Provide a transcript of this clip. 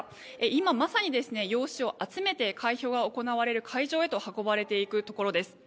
今まさに用紙を集めて開票が行われる会場へと運ばれていくところです。